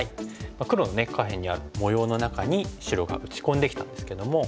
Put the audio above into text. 黒のね下辺にある模様の中に白が打ち込んできたんですけども。